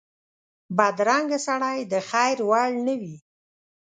بدرنګه سړی د خیر وړ نه وي